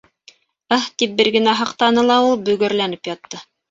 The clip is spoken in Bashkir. Ыһ тип бер генә һыҡтаны ла ул бөгәрләнеп ятты.